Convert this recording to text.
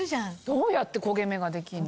どうやって焦げ目ができんの？